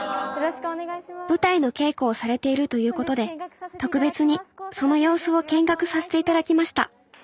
舞台の稽古をされているということで特別にその様子を見学させていただきました